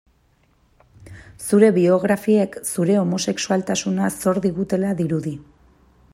Zure biografiek zure homosexualtasuna zor digutela dirudi.